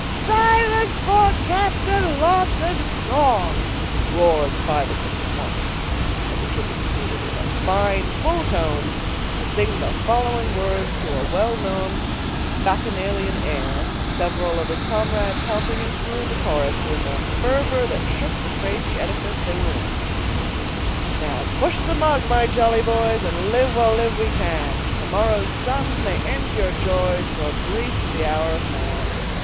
"Silence, for Captain Lawton's song!" roared five or six at once; when the trooper proceeded, in a fine, full tone, to sing the following words to a well known bacchanalian air, several of his comrades helping him through the chorus with a fervor that shook the crazy edifice they were in:— Now push the mug, my jolly boys, And live, while live we can; To morrow's sun may end your joys, For brief's the hour of man.